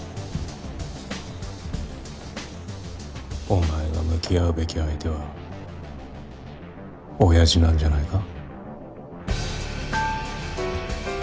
お前が向き合うべき相手は親父なんじゃないか？